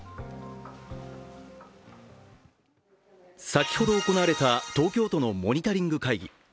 先ほど行われた東京都のモニタリング会議。